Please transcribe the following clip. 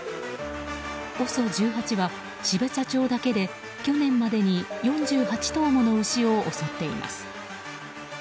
ＯＳＯ１８は、標茶町だけで去年までに４８頭もの牛を襲っています。